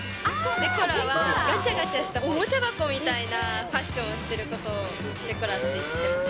デコラはがちゃがちゃしたおもちゃ箱みたいなファッションをしてることをデコラって言ってます。